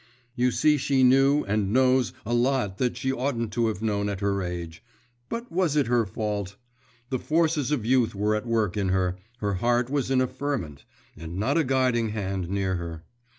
You see she knew and knows a lot that she oughtn't to have known at her age.… But was it her fault? The forces of youth were at work in her, her heart was in a ferment, and not a guiding hand near her.